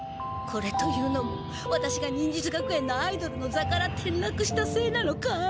これというのもワタシが忍術学園のアイドルの座から転落したせいなのか？